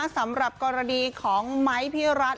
สำหรับกรณีของไม้พี่รัฐ